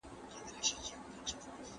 کله چي په عقد کي شبهه وي، نو جماع مهر واجبوي.